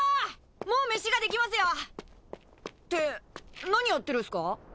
もう飯ができますよ！って何やってるっすか？